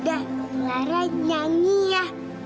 iya yaudah lara nyanyi ya